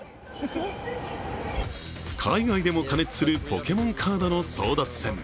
海外でも過熱するポケモンカードの争奪戦。